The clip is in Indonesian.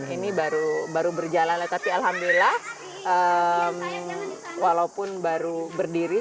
ini baru berjalan tapi alhamdulillah walaupun baru berdiri